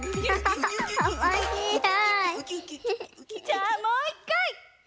じゃあもう１かい！